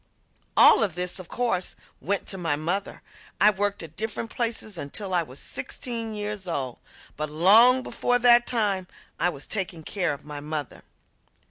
All of this, of course, went to my mother. I worked at different places until I was sixteen years old, but long before that time I was taking care of my mother.